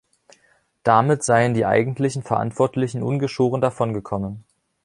Damit seien die eigentlichen Verantwortlichen ungeschoren davongekommen.